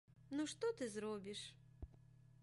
Ну што ты зробіш?